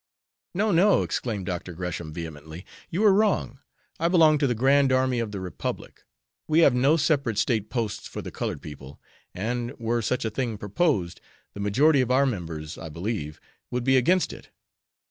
"No! no!" exclaimed Dr. Gresham, vehemently. "You are wrong. I belong to the Grand Army of the Republic. We have no separate State Posts for the colored people, and, were such a thing proposed, the majority of our members, I believe, would be against it.